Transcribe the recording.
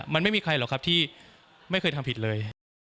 มันไม่มีใครหรอกครับที่ไม่เคยทำผิดเลย